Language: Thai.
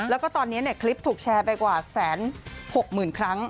แล้วก็ตอนนี้คลิปถูกแชร์ไปกว่า๑๖๐๐๐ครั้ง